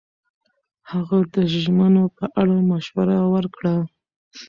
هغه د ژمنو په اړه مشوره ورکړه.